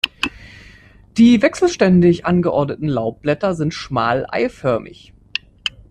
Die wechselständig angeordneten Laubblätter sind schmal eiförmig.